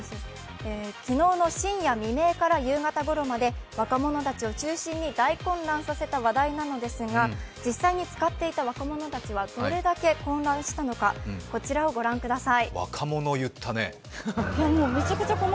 昨日の深夜未明から夕方ごろまで若者たちを大混乱させた話題なのですが、実際に使っていた若者たちはどれだけ混乱したのか、こちらを御覧ください。